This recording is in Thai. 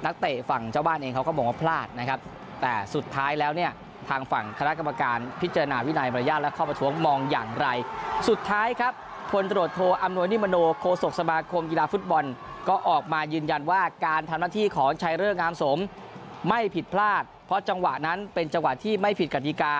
มองอย่างไรสุดท้ายครับคนโดรสโธอำนวยนิมโณโครสกศมาคมกีฬาฟู้ดบอลก็ออกมายืนยันว่าการทำหน้าที่ของชายเรื้องอามสมไม่ผิดพลาดเพราะจังหวะนั้นเป็นจังหวัดที่ไม่ผิดกฎิกา